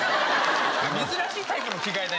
珍しいタイプの着替えね。